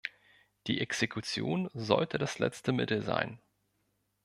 Die Exekution sollte das letzte Mittel sein.